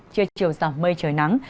chưa chiều rào mây trời nắng